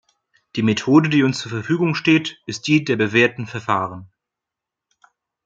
Die Methode, die uns zur Verfügung steht, ist die der bewährten Verfahren.